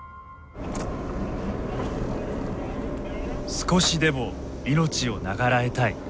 少しでも命を長らえたい。